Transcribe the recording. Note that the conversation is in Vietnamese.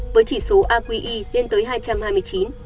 với chỉ số aqi lên tới hai trăm hai mươi chín